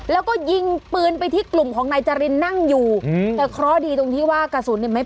แล้วก็ยิงปืนไปที่กลุ่มของนายจริงนั่งอยู่อืม